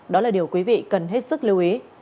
đó là điều quý vị cần hết sức lưu ý